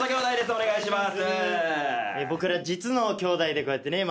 お願いします。